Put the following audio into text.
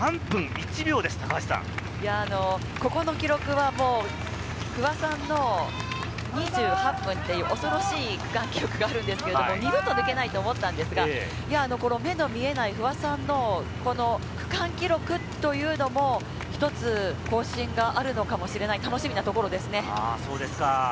ここの記録は不破さんの２８分という恐ろしい区間記録があるんですけれども、二度と抜けないと思ったんですが、この目の見えない不破さんの区間記録というのも１つ更新があるのかもしれない、楽しみなところですね。